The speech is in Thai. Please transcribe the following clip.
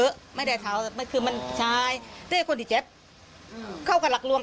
ก็ภาพไม่ได้ของมันใช่มันใช่คนที่เจ็บเข้าให้มีหลักลวง